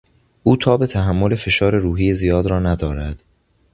او تاب تحمل فشار روحی زیاد را ندارد.